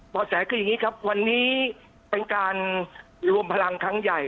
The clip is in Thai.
แสคืออย่างนี้ครับวันนี้เป็นการรวมพลังครั้งใหญ่